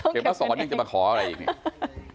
เก็บแล้วสอนยังจะมาขออะไรอย่างนี้